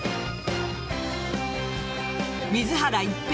水原一平